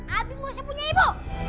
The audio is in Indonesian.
abi gak usah punya ibu